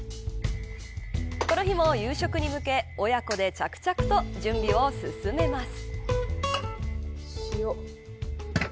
この日も夕食に向け親子で着々と準備を進めます。